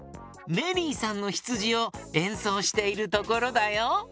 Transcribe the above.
「メリーさんのひつじ」をえんそうしているところだよ。